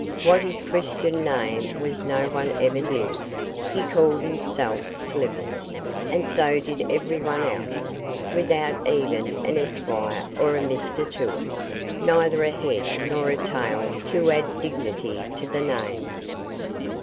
What his Christian name was no one ever knew; he called himself Slivers, and so did everyone else, without even an Esquire or a Mister to it neither a head nor a tail to add dignity to the name.